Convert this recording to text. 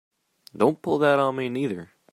And don't pull that on me neither!